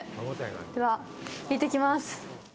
では、行ってきます。